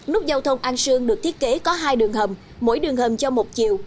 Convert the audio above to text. nút giao thông an sương được thiết kế có hai đường hầm mỗi đường hầm cho một chiều